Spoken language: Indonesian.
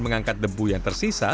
mengangkat debu yang tersisa